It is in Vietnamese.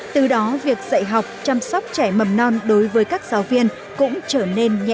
từ đó việc dạy học chăm sóc trẻ mầm non đối với các giáo viên cũng trở nên nhẹ nhà